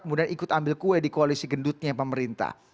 kemudian ikut ambil kue di koalisi gendutnya pemerintah